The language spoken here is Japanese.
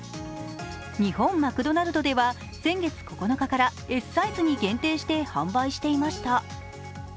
日本マクドナルドでは先月９日からＳサイズに限定して販売していました。